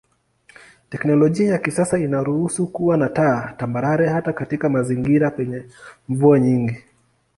Teknolojia ya kisasa inaruhusu kuwa na taa tambarare hata katika mazingira penye mvua nyingi.